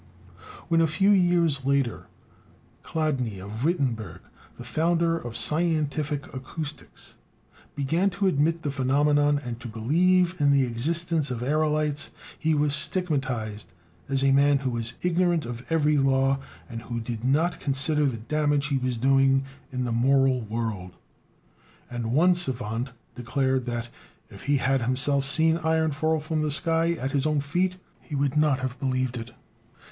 "] When, a few years later, Chladni of Wittenberg, the founder of scientific acoustics, began to admit the phenomenon and to believe in the existence of aërolites, he was stigmatized as "a man who was ignorant of every law and who did not consider the damage he was doing in the moral world"; and one savant declared that "if he had himself seen iron fall from the sky at his own feet, he would not have believed it."